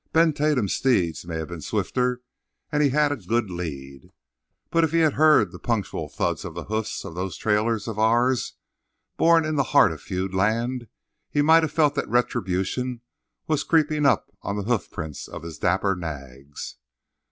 Ben Tatum's steeds may have been swifter, and he had a good lead; but if he had heard the punctual thuds of the hoofs of those trailers of ours, born in the heart of feudland, he might have felt that retribution was creeping up on the hoof prints of his dapper nags.